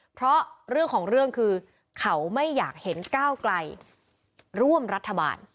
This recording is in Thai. เพราะเรื่องของเรื่องคือเขาไม่อยากเห็นก้าวไกลร่วมรัฐบาล